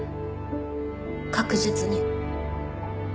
確実に。